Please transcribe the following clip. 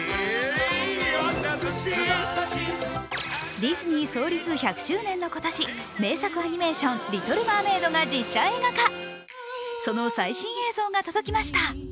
ディズニー創立１００周年の今年、名作アニメーション「リトル・マーメイド」が実写映画化その最新映像が届きました。